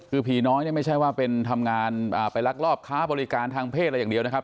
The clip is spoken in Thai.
คือผีน้อยเนี่ยไม่ใช่ว่าเป็นทำงานไปลักลอบค้าบริการทางเพศอะไรอย่างเดียวนะครับ